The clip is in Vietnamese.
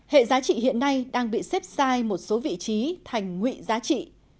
hệ giá trị hiện nay đang bị xếp sai một số vị trí thành ngụy giá trị